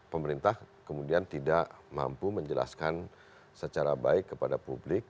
pemerintah kemudian tidak mampu menjelaskan secara baik kepada publik